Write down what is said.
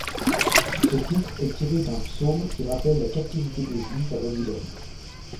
Ce titre est tiré d'un psaume qui rappelle la captivité des Juifs à Babylone.